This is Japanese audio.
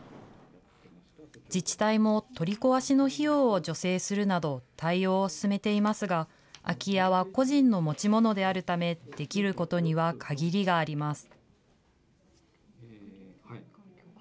自治体も、取り壊しの費用を助成するなど、対応を進めていますが、空き家は個人の持ち物であるため、できることには限りがあります。